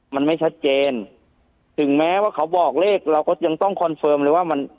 มันไม่ชัดเจนถึงแม้ว่าเขาบอกเลขเราก็ยังต้องคอนเฟิร์มเลยว่ามัน